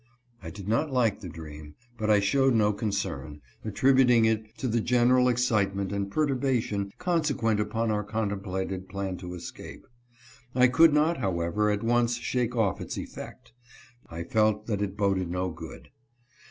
I did not like the dream, but 1 showed no concern, attributing it to the general excitement and perturbation consequent upon our con templated plan to escape. I could not, however, at once shake off its effect. I felt that it boded no good.